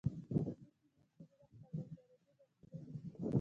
ملي ټلویزیونونه خپل نشراتي خطوط.